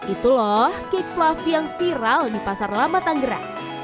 ituloh cake fluffy yang viral di pasar lama tangerang